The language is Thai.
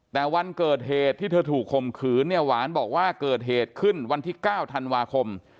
แต่วันเกิดเหตุที่เธอถูกข่มขืนเนี่ยหวานบอกว่าเกิดเหตุขึ้นวันที่๙ธันวาคม